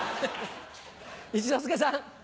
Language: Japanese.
一之輔さん。